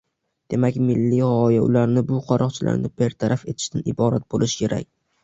Demak, milliy g‘oya ularni – bu qaroqchilarni bartaraf etishdan iborat bo‘lishi kerak.